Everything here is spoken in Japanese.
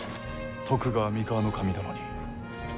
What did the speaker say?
徳川三河守殿に。